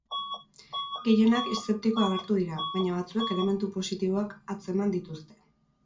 Gehienak eszeptiko agertu dira, baina batzuek elementu positiboak antzeman dituzte.